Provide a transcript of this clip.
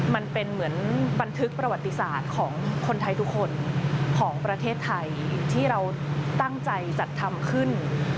มันเป็นเหมือนบันทึกประวัติศาสตร์ของคนไทยทุกคนของประเทศไทยที่เราตั้งใจจัดทำขึ้น